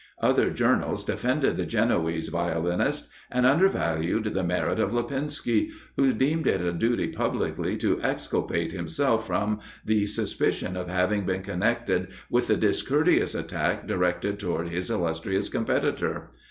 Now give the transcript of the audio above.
Other journals defended the Genoese violinist, and undervalued the merit of Lipinski, who deemed it a duty publicly to exculpate himself from the suspicion of having been connected with the discourteous attack directed towards his illustrious competitor.